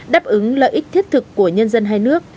đáp ứng lợi ích thiết thực của nhân dân hai nước